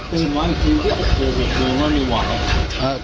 ตื่นมาอยู่เมื่อไม่มีหวัง